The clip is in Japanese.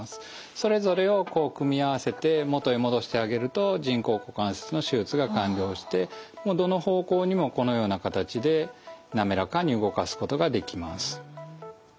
それぞれをこう組み合わせて元へ戻してあげると人工股関節の手術が完了してどの方向にもこのような形でなめらかに動かすことができます。